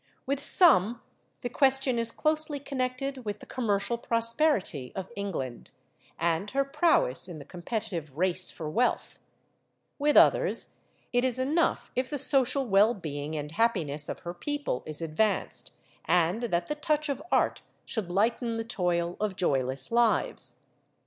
With some the question is closely connected with the commercial prosperity of England, and her prowess in the competitive race for wealth; with others it is enough if the social well being and happiness of her people is advanced, and that the touch of art should lighten the toil of joyless lives.